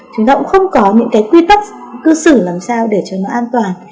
chúng ta cũng không có những cái quy tắc cư xử làm sao để cho nó an toàn